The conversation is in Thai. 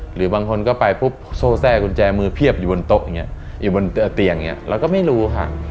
หรือบางคนก็ไปปุ๊บโซ่แทรกกุญแจมือเพียบอยู่บนโต๊ะอย่างนี้อยู่บนเตียงอย่างนี้เราก็ไม่รู้ค่ะ